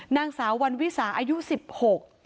นางสาววันวิสาอายุสิบหก